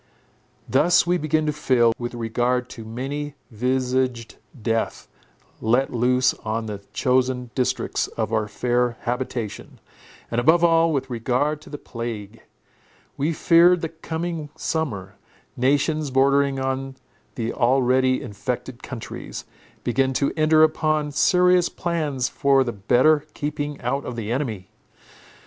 Thus we began to feel, with regard to many visaged death let loose on the chosen districts of our fair habitation, and above all, with regard to the plague. We feared the coming summer. Nations, bordering on the already infected countries, began to enter upon serious plans for the better keeping out of the enemy.